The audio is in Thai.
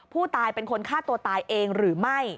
ผู้ตายเป็นคนฆ่าตัวตายเองหรือไม่